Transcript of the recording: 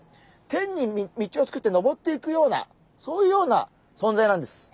天に道を作ってのぼっていくようなそういうような存在なんです。